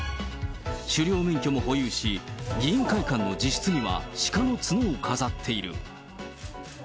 狩猟免許も保有し、議員会館の自室にはシカの角を飾っている。